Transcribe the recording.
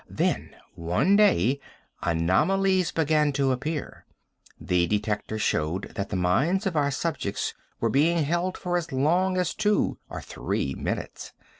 Then, one day, anomalies began to appear. The detector showed that the minds of our subjects were being held for as long as two or three minutes.